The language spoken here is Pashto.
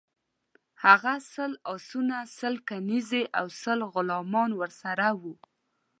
هغه سل آسونه، سل کنیزي او سل غلامان ورسره وه.